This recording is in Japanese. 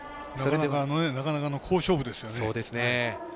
なかなか好勝負ですよね。